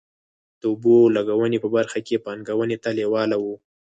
د اوبو لګونې په برخه کې پانګونې ته لېواله وو.